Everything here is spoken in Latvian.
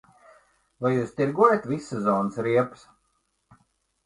Vai jūs tirgojat vissezonas riepas?